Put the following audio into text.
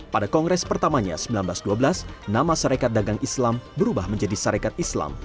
pada kongres pertamanya seribu sembilan ratus dua belas nama sarekat dagang islam berubah menjadi sarekat islam